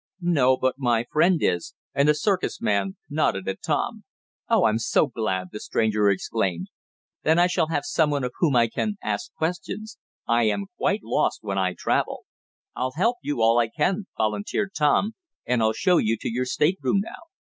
"No, but my friend is," and the circus man nodded at Tom. "Oh, I'm so glad!" the stranger exclaimed. "Then I shall have someone of whom I can ask questions. I am quite lost when I travel." "I'll help you all I can," volunteered Tom, "and I'll show you to your stateroom now."